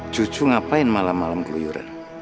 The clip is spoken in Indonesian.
cucu ngapain malam malam keluyuran